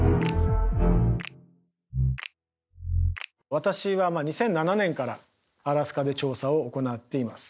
私は２００７年からアラスカで調査を行っています。